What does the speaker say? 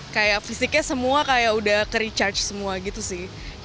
kayak fisiknya semua kayak udah ke recharge semua gitu sih